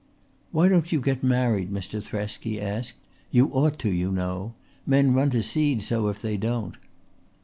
"Why don't you get married, Mr. Thresk?" he asked. "You ought to, you know. Men run to seed so if they don't."